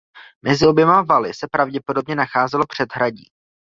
Mezi oběma valy se pravděpodobně nacházelo předhradí.